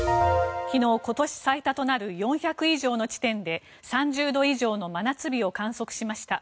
昨日、今年最多となる４００以上の地点で３０度以上の真夏日を観測しました。